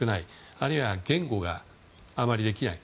あるいは言語があまりできない。